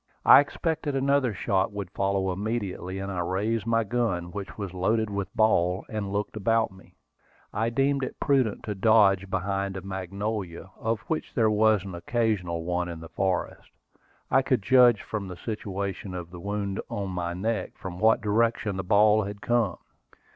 I expected another shot would follow immediately, and I raised my gun, which was loaded with ball, and looked about me. I deemed it prudent to dodge behind a magnolia, of which there was an occasional one in the forest. I could judge from the situation of the wound on my neck from what direction the ball had come.